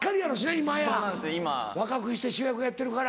今や若くして主役やってるから。